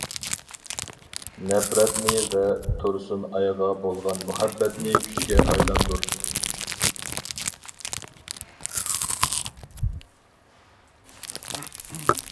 نەپرەتنى ۋە تۇرسۇنئايغا بولغان مۇھەببەتنى كۈچكە ئايلاندۇر!